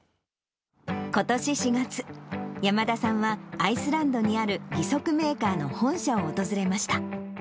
ことし４月、山田さんは、アイスランドにある義足メーカーの本社を訪れました。